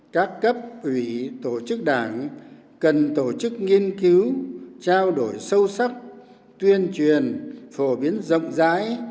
các cấp ủy tổ chức đảng cần tổ chức nghiên cứu trao đổi sâu sắc tuyên truyền phổ biến rộng rãi